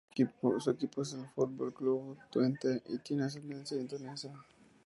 Su equipo es el Football Club Twente y tiene ascendencia Indonesia.